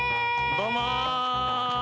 どうも。